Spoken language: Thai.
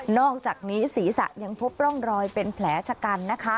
อกจากนี้ศีรษะยังพบร่องรอยเป็นแผลชะกันนะคะ